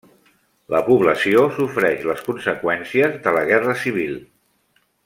La població sofreix les conseqüències de la Guerra Civil.